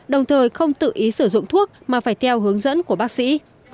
đồng thời không tự ý sử dụng thuốc mà phải theo hướng dẫn của bác sĩ